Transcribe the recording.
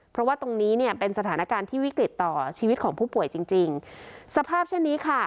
เพราะว่าตรงนี้เนี่ยเป็นสถานการณ์ที่วิกฤตต่อชีวิตของผู้ป่วยจริงจริงสภาพเช่นนี้ค่ะ